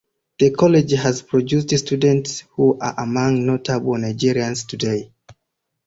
The college has produced students who are among notable Nigerians today.